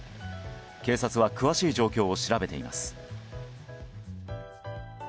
警察は詳しい状況を調べています。